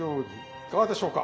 いかがでしょうか？